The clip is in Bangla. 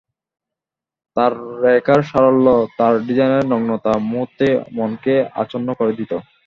তার রেখার সারল্য, তার ডিজাইনের নগ্নতা মুহূর্তেই মনকে আচ্ছন্ন করে দিত।